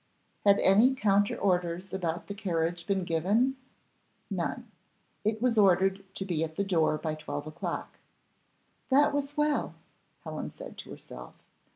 Had any counter orders about the carriage been given? None; it was ordered to be at the door by twelve o'clock. "That was well," Helen said to herself.